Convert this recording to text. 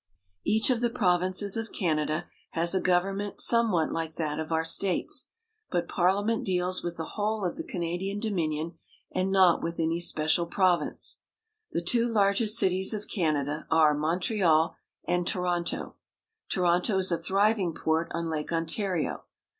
Each of the provinces of Canada has a government somewhat like that of our states ; but Parliament deals with the whole of the Canadian Dominion, and not with any special province. The two largest cities of Canada are Montreal and Toronto. Toronto is a thriving port on Lake Ontario.